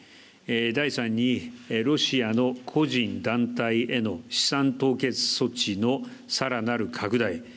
第３にロシアの個人団体への資産凍結措置のさらなる拡大。